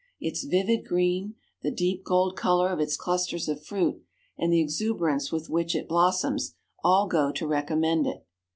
Its vivid green, the deep gold color of its clusters of fruit, and the exuberance with which it blossoms, all go to recommend it.